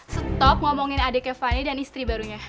stop ngomongin adiknya fani dan istri barunya